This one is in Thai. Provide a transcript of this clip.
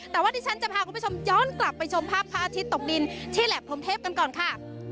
แต่ว่าที่ฉันจะพาคุณผู้ชมย้อนกลับไปชมภาพพระอาทิตย์ตกดินที่แหลปพรมเทพกันก่อนค่ะ